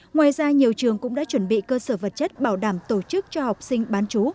ngoài ra nhiều trường cũng đã chuẩn bị cơ sở vật chất bảo đảm tổ chức cho học sinh bán chú